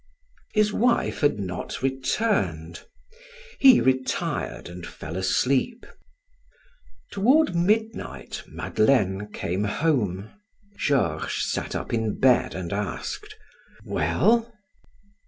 His wife had not returned. He retired and fell asleep. Toward midnight Madeleine came home. Georges sat up in bed and asked: "Well?"